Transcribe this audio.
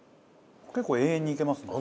結構永遠にいけますね。